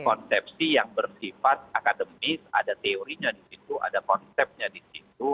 konsepsi yang bersifat akademis ada teorinya di situ ada konsepnya di situ